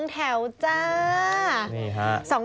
แถวจ้า